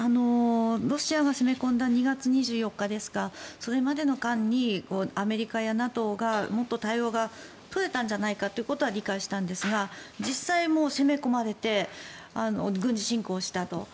ロシアが攻め込んだ２月２４日ですかそれまでの間にアメリカやＮＡＴＯがもっと対応が取れたんじゃないかというのは理解したんですが実際、もう攻め込まれて軍事侵攻したと。